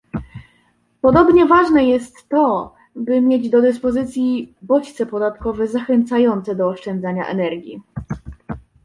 Podobnie ważne jest to, by mieć do dyspozycji bodźce podatkowe zachęcające do oszczędzania energii